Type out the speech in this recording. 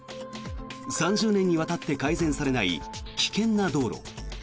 ３０年にわたって改善されない危険な道路。